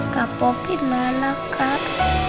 kak popi mana kak